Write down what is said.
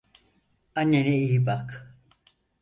Annene iyi bak.